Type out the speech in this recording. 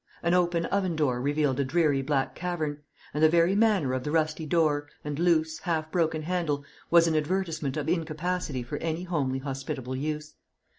An open oven door revealed a dreary black cavern; and the very manner of the rusty door, and loose, half broken handle, was an advertisement of incapacity for any homely hospitable use.